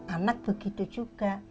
anak begitu juga